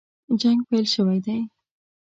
جنګ پیل شوی دی.